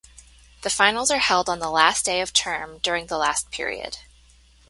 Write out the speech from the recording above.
The finals are held on the last day of term during the last period.